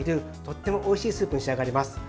とってもおいしいスープに仕上がります。